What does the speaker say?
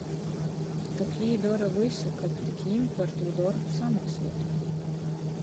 Tok jī dora vysu, kab tik jim par tū dorbu samoksuotu.